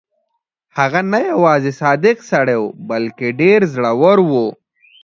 هغه نه یوازې صادق سړی وو بلکې ډېر زړه ور وو.